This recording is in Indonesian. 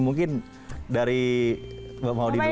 mungkin dari mbak maudie dulu